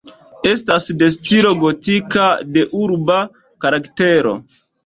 Estas de stilo gotiko, de urba karaktero.